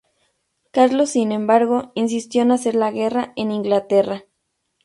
Carlos, sin embargo, insistió en hacer la guerra en Inglaterra.